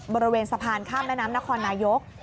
บริเวณสะพานข้ามแม่น้ำนครนายก